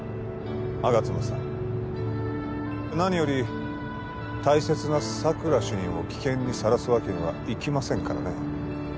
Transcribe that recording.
吾妻さん何より大切な佐久良主任を危険にさらすわけにはいきませんからね